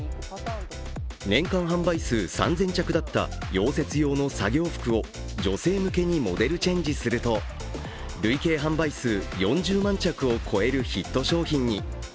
年間販売数３０００着だった溶接用の作業服を女性向けにモデルチェンジすると累計販売数４０万着を超えるヒット商品に。